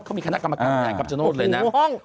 เขามีคณะกรรมกรรมหลายความชนูดเลยนะ